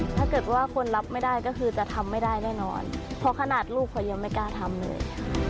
ถ้าเกิดว่าคนรับไม่ได้ก็คือจะทำไม่ได้แน่นอนเพราะขนาดลูกเขายังไม่กล้าทำเลย